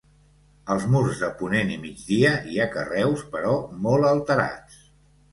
Als murs de ponent i migdia hi ha carreus però molt alterats.